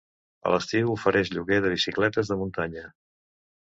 A l'estiu ofereix lloguer de bicicletes de muntanya.